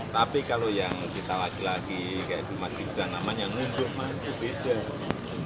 tapi kalau yang kita laki laki kayak itu masih udah namanya mundur mantu beda